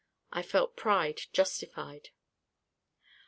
I felt pride justified.